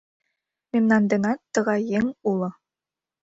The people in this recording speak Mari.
Мемнан денат тугай еҥ уло.